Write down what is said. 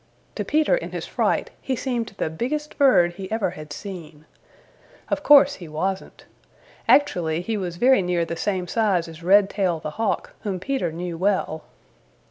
To Peter in his fright he seemed the biggest bird he ever had seen. Of course he wasn't. Actually he was very near the same size as Redtail the Hawk, whom Peter knew well.